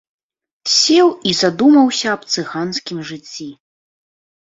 Сеў і задумаўся аб цыганскім жыцці.